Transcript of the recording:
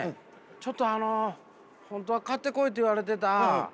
ちょっとあの本当は買ってこいって言われてた水。